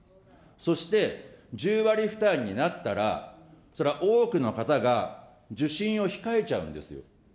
そして、１０割負担になったら、それは多くの方が受診を控えちゃうんですよ。